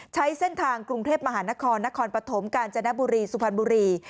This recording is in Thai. ใช้เส้นทางกรุงเทพมหานครนครปฐมกาญจนบุรีสุพรรณบุรี